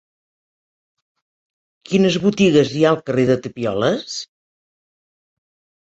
Quines botigues hi ha al carrer de Tapioles?